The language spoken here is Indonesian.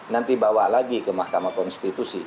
nanti bawa lagi ke mahkamah konstitusi